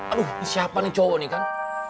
aduh siapa nih cowok nih kan